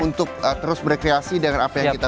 untuk terus berkreasi dengan apa yang kita